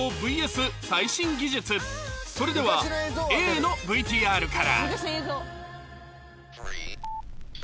それでは Ａ の ＶＴＲ から